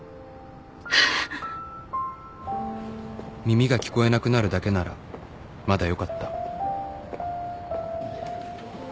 耳が聞こえなくなるだけならまだよかった